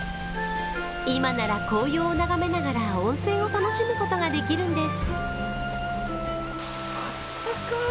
今なら、紅葉を眺めながら温泉を楽しむことができるんです。